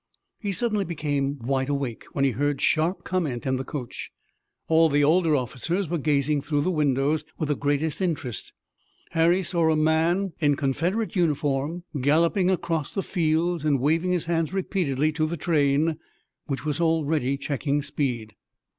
He suddenly became wide awake, when he heard sharp comment in the coach. All the older officers were gazing through the windows with the greatest interest. Harry saw a man in Confederate uniform galloping across the fields and waving his hands repeatedly to the train which was already checking speed.